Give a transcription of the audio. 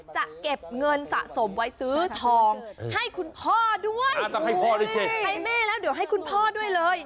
จะเก็บเงินสะสมไว้ซื้อทองให้คุณพ่อด้วย